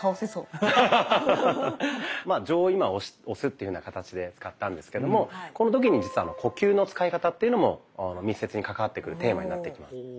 まあ杖を今押すっていうふうな形で使ったんですけどもこの時に実は呼吸の使い方っていうのも密接に関わってくるテーマになってきます。